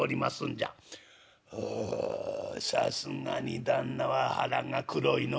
「おおさすがに旦那は腹が黒いのう」。